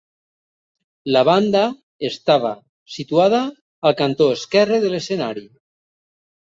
La banda estava situada al cantó esquerre de l'escenari.